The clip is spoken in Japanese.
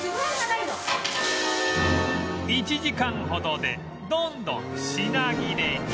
１時間ほどでどんどん品切れに